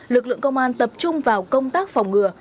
lực lượng công an tập trung vào công tác phòng ngừa